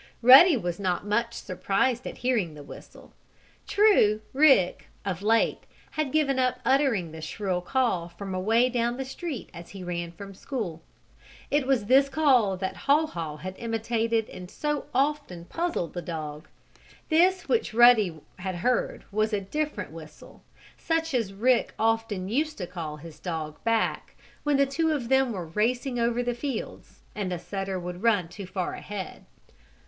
Ruddy was not much surprised at hearing the whistle. True Rick, of late, had given up uttering the shrill call from away down the street as he ran from school. It was this call that Haw Haw had imitated and so often puzzled the dog. This which Ruddy had heard was a different whistle, such as Rick often used to call his dog back, when the two of them were racing over the fields, and the setter would run too far ahead.